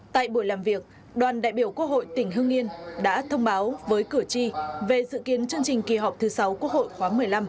tại buổi làm việc đoàn đại biểu quốc hội tỉnh hưng yên đã thông báo với cử tri về dự kiến chương trình kỳ họp thứ sáu quốc hội khóa một mươi năm